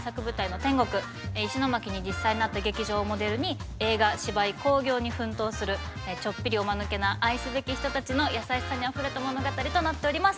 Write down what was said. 石巻に実際にあった劇場をモデルに映画芝居興行に奮闘するちょっぴりお間抜けな愛すべき人たちの優しさにあふれた物語となっております。